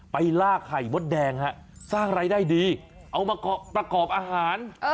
ลากไข่มดแดงฮะสร้างรายได้ดีเอามาประกอบอาหาร